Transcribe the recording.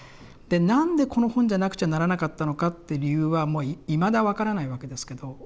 で何でこの本じゃなくちゃならなかったのかって理由はいまだ分からないわけですけど。